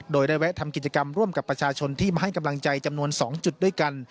โดยได้แวะทำกิจกรรมร่วมกับประชาชนที่มาให้กำลังใจจำนวน๒จุดด้วยกัน